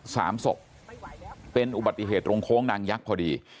สามศพเป็นอุบัติเหตุโรงโค้งนางยักษ์พอดี